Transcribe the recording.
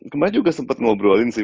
kemarin juga sempat ngobrolin sih